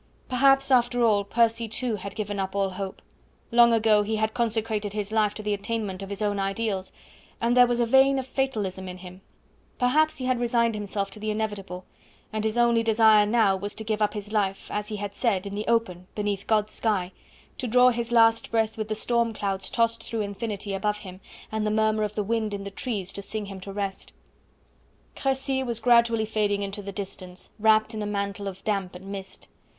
Perhaps, after all, Percy, too, had given up all hope. Long ago he had consecrated his life to the attainment of his own ideals; and there was a vein of fatalism in him; perhaps he had resigned himself to the inevitable, and his only desire now was to give up his life, as he had said, in the open, beneath God's sky, to draw his last breath with the storm clouds tossed through infinity above him, and the murmur of the wind in the trees to sing him to rest. Crecy was gradually fading into the distance, wrapped in a mantle of damp and mist.